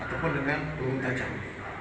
ataupun dengan peluru tajam